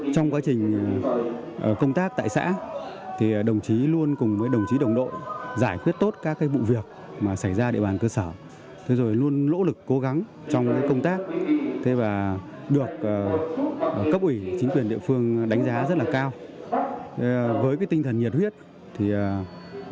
xong rồi tinh thần trách nhiệm thì qua lắm mắt theo dõi tôi thấy là đồng chí là một người có trách nhiệm với công việc trong công việc và mọi cái công việc được giao